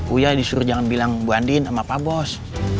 uya disuruh jangan bilang bu andin sama pak bos